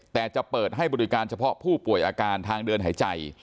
แต่จะเปิดให้บริการเฉพาะผู้ป่วยอาการทางเดินหายใจ